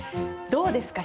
どうですか？